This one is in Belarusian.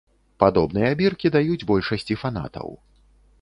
Падобныя біркі даюць большасці фанатаў.